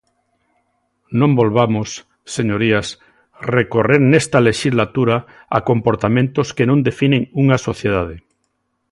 Non volvamos, señorías, recorrer nesta lexislatura a comportamentos que non definen unha sociedade.